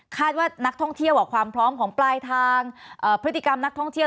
ว่านักท่องเที่ยวความพร้อมของปลายทางพฤติกรรมนักท่องเที่ยว